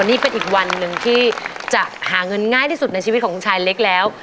นี่เป็นอีกวันหนึ่งที่จะหาเงินง่ายที่สุดในชีวิตของคุณชายเล็กแล้ว